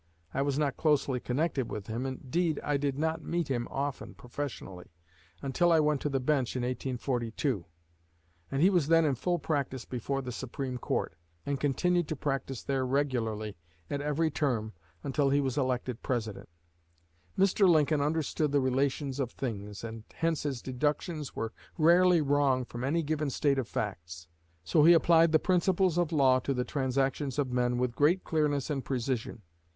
I was not closely connected with him. Indeed, I did not meet him often, professionally, until I went on the bench in 1842; and he was then in full practice before the Supreme Court, and continued to practice there regularly at every term until he was elected President. Mr. Lincoln understood the relations of things, and hence his deductions were rarely wrong from any given state of facts. So he applied the principles of law to the transactions of men with great clearness and precision.